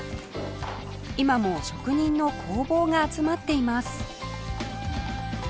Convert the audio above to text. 今も職人の工房が集まっています